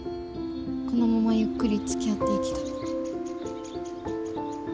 このままゆっくりつきあっていきたい。